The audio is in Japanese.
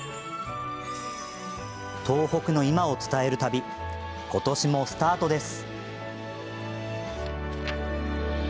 東北の今を伝える旅今年もスタートです。